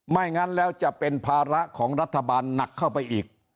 งั้นแล้วจะเป็นภาระของรัฐบาลหนักเข้าไปอีก